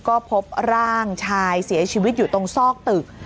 ก็พบร่างชายเสียชีวิตอยู่ตรงซอกตึก